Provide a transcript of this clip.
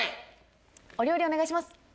お料理お願いします。